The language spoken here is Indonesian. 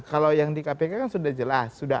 kalau yang di kpk kan sudah jelas